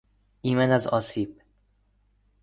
ایمن از آسیب